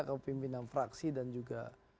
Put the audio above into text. kepimpinan fraksi dan juga